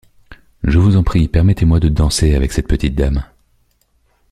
Je vous en prie, permettez-moi de danser avec cette petite dame.